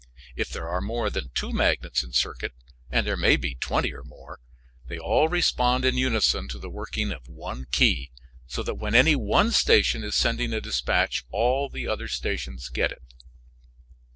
If there are more than two magnets in circuit (and there may be twenty or more) they all respond in unison to the working of one key, so that when any one station is sending a dispatch all the other stations get it.